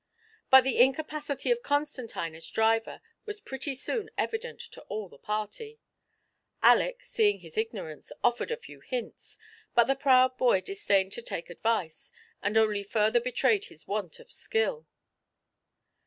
But the incapacity of Constantine as driver was pretty soon evident to all the party. Aleck, seeing his ignorance, offered a few hints, but the proud boy dis dained to take advice, and only further betrayed his want of skill.